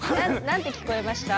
何て聞こえました？